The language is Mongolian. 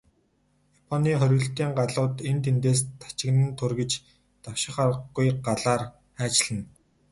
Японы хориглолтын галууд энд тэндээс тачигнан тургиж, давших аргагүй галаар хайчилна.